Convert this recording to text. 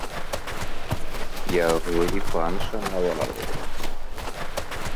Яго і пан шанаваў.